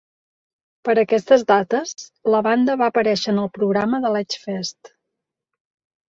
Per aquestes dates, la banda va aparèixer en el programa de l'Edgefest.